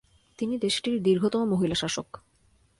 তিনি দেশেটির দীর্ঘতম মহিলা শাসক।